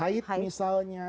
atau karena haid misalnya